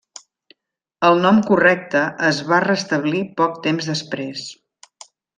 El nom correcte es va restablir poc temps després.